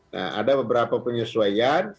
nah ada beberapa penyesuaian